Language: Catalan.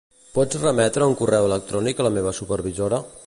Pots remetre un correu electrònic a la meva supervisora?